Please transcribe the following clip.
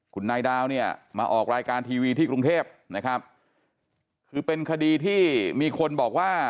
คุณนายดาวเนี่ยมาออกรายการทีวีที่กรุงเทพนะครับคือเป็นคดีที่มีคนบอกว่า